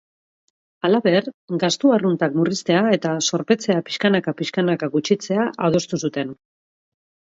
Halaber, gastu arrunta murriztea eta zorpetzea pixkanaka-pixkanaka gutxitzea adostu zuten.